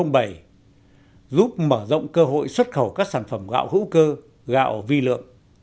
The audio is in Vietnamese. giúp mở rộng cơ hội xuất khẩu các sản phẩm gạo hữu cơ gạo vi lượng